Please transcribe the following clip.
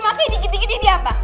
makanya dikit dikit dikit apa